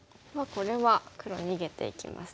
これは黒逃げていきますね。